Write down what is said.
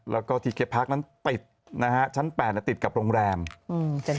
แล้วก็ที่เคพาร์คนั้นปิดนะฮะชั้นแปดเนี้ยติดกับโรงแรมอืม